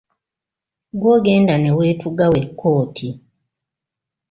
Ggwe ogenda ne weetuga wekka oti.